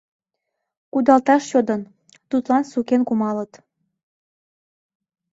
Кудалташ йодын, тудлан сукен кумалыт.